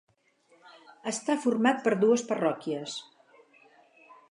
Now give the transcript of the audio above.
Està format per dues parròquies: